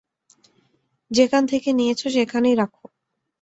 যেখান থেকে নিয়েছ সেখানে রাখো।